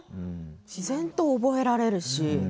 自然と覚えられるし。